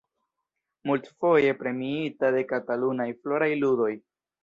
Multfoje premiita de Katalunaj Floraj Ludoj.